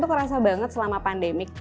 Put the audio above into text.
jadi kita bisa tetap aktivitas olahraga di sini